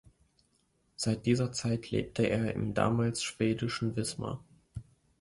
Seit dieser Zeit lebte er im damals schwedischen Wismar.